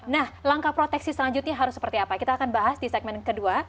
nah langkah proteksi selanjutnya harus seperti apa kita akan bahas di segmen kedua